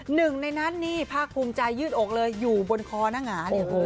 หนึ่งในนั้นนี่พระภูมิใจยืดอกเลยอยู่บนคอนางหาทุกชม